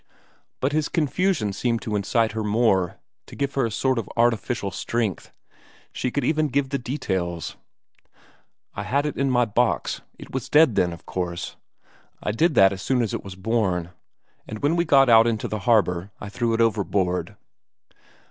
But his confusion seemed to incite her more, to give her a sort of artificial strength; she could even give the details. "I had it in my box it was dead then, of course I did that as soon as it was born. And when we got out into the harbour, I threw it overboard."